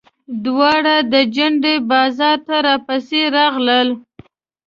دواړه د جنډې بازار ته راپسې راغلل.